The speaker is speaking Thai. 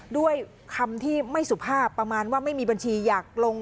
ด้วยคำที่ไม่สุภาพประมาณว่าไม่มีบัญชีอยากลง